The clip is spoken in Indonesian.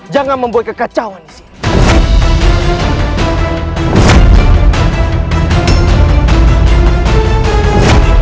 jangan membuat kekacauan di sini